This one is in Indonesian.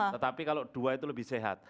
tetapi kalau dua itu lebih sehat